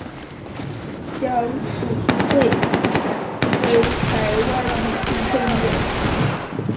蒋笃慧为台湾女性配音员。